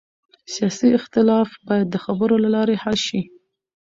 سیاسي اختلاف باید د خبرو له لارې حل شي